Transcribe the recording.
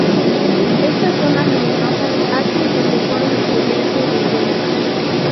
Estas zonas luminosas hacen que se forme el "Este del Velo".